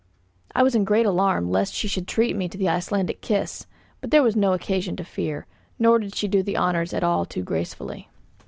I was in great alarm lest she should treat me to the Icelandic kiss; but there was no occasion to fear, nor did she do the honours at all too gracefully.